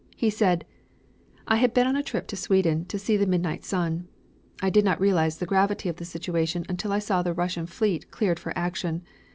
He said: "I had been on a trip to Sweden to see the midnight sun. I did not realize the gravity of the situation until I saw the Russian fleet cleared for action.